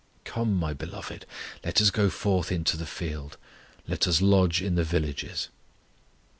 Come, my Beloved, let us go forth into the field; Let us lodge in the villages.